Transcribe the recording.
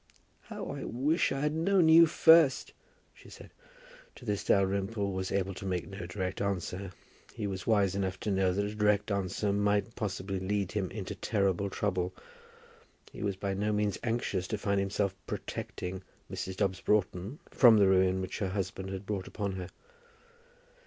"How I wish I had known you first," she said. To this Dalrymple was able to make no direct answer. He was wise enough to know that a direct answer might possibly lead him into terrible trouble. He was by no means anxious to find himself "protecting" Mrs. Dobbs Broughton from the ruin which her husband had brought upon her.